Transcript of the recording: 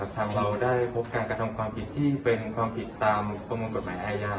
เราได้พบการกระทำความผิดที่เป็นความผิดตามประมวลกฎหมายอาญา